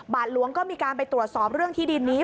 บาทหลวงก็มีการไปตรวจสอบเรื่องที่ดินนี้